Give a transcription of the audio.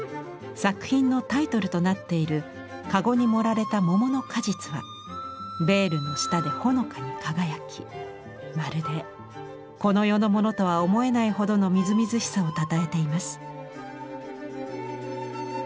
作品のタイトルとなっているかごに盛られた桃の果実はベールの下でほのかに輝きまるでこの世のものとは思えないほどのみずみずしさをたたえています。